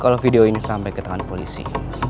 kalau video ini sampai ke tangan polisi